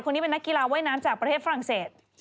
คนนี้เป็นนักกีฬาว่ายน้ำจากประเทศฝรั่งเศส